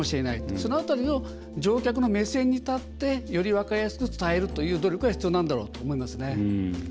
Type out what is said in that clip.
その辺りを乗客の目線に立ってより分かりやすく伝えるという努力は必要なんだろうと思いますね。